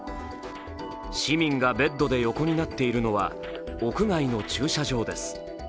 市民がベッドで横になっているのは屋外の駐車場です。